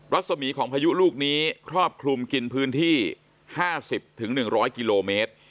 รัศมีของพายุลูกนี้ครอบคลุมกินพื้นที่๕๐๑๐๐กิโลเมตร